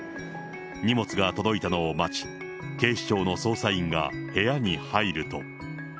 荷物が届いたのを待ち、警視庁の捜査員が部屋に入ると。